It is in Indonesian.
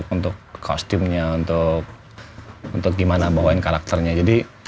terus ada kayak adegan adegan itu lari lari segala macem mereka mau kayak test camp aja gitu